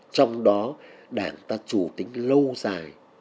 trong đó đảng ta trù tính lâu dài